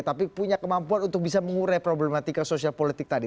tapi punya kemampuan untuk bisa mengurai problematika sosial politik tadi